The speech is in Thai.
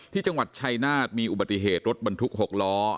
ที่จังหวัดชัยนาฏมีอุบัติเหตุรถบรรทุก๖ล้อ